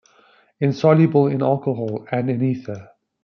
Insoluble in alcohol and in ether.